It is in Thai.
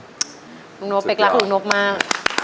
ลูกโน้คเป็นคลักษณ์ลูกโน้คมาก